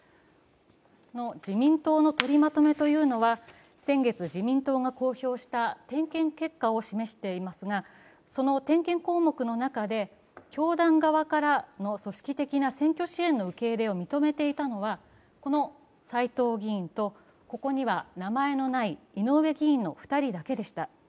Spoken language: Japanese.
その自民党の取りまとめというのは先月、自民党が公表した点検結果を示していますがその点検項目の中で、教団側からの組織的な選挙支援の受け入れを認めていたのはこの斎藤議員とここには名前のない井上議員の２人だけでした。